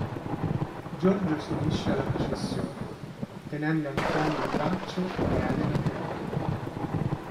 Giorgio si unisce alla processione, tenendo Antonio in braccio e Elena per mano.